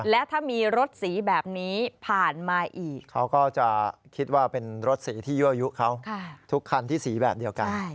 และถ้ามีรถสีแบบนี้ผ่านมาอีกเขาก็จะคิดว่าเป็นรถสีที่ยั่วยุเขาทุกคันที่สีแบบเดียวกัน